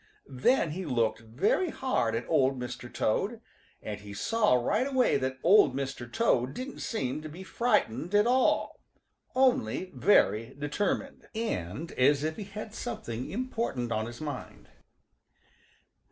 Then he looked very hard at Old Mr. Toad, and he saw right away that Old Mr. Toad didn't seem to be frightened at all, only very determined, and as if he had something important on his mind.